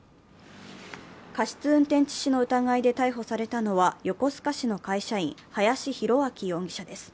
過失運転致死の疑いで逮捕されたのは横須賀市の会社員、林博昭容疑者です。